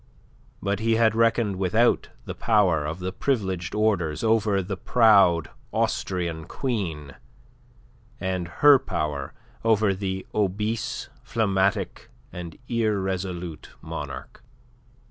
But he had reckoned without the power of the privileged orders over the proud Austrian queen, and her power over the obese, phlegmatic, irresolute monarch.